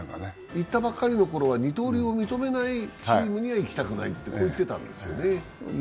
行ったばっかりのころは二刀流を認めないチームには行きたくないって言ってたんですね。